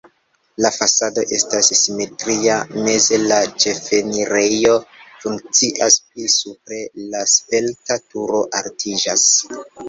La fasado estas simetria, meze la ĉefenirejo funkcias, pli supre la svelta turo altiĝas.